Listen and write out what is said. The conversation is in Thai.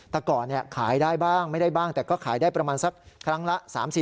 แต่ก่อนขายได้บ้างไม่ได้บ้างแต่ก็ขายได้ประมาณสักครั้งละ๓๐